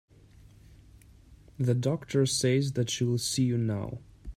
The doctor says that she will see you now.